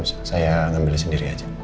tunggu saya ambil sendiri aja